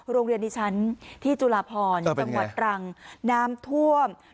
โรงเรียนดิฉันที่จุลาพรจังหวัดตรังน้ำท่วม